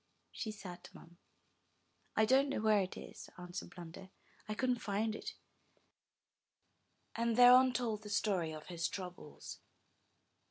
she sat mum. *'I don't know where it is," answered Blunder. '1 couldn't find it;" and thereon told the story of his troubles.